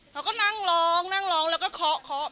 เขาก็นั่งร้องนั่งร้องแล้วก็เคาะเคาะ